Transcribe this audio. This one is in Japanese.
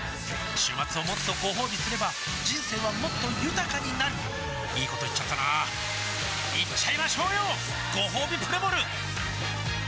週末をもっとごほうびすれば人生はもっと豊かになるいいこと言っちゃったなーいっちゃいましょうよごほうびプレモル